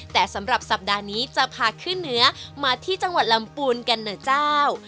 แต่สำหรับสัปดาห์นี้จะพาขึ้นเหนือมาที่จังหวัดลำปูนกันนะเจ้า